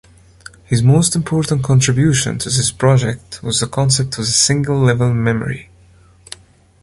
His most important contribution to this project was the concept of the single-level memory.